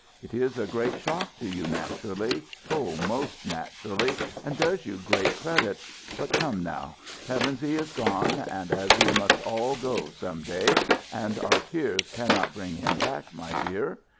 "It is a great shock to you, naturally oh, most naturally, and does you great credit. But come now, Pevensey is gone, as we must all go some day, and our tears cannot bring him back, my dear.